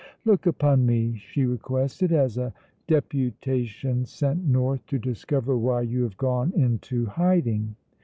"Look upon me," she requested, "as a deputation sent north to discover why you have gone into hiding."